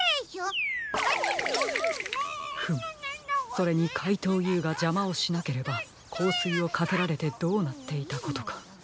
それにかいとうＵがじゃまをしなければこうすいをかけられてどうなっていたことか。